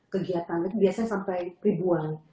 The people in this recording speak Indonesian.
kegiatan itu biasanya sampai ribuan